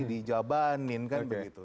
di jabanin kan begitu